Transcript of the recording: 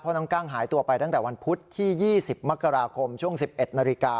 น้องกั้งหายตัวไปตั้งแต่วันพุธที่๒๐มกราคมช่วง๑๑นาฬิกา